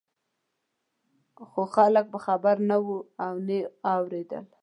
خو خلک په خبره نه وو نه یې اورېدل.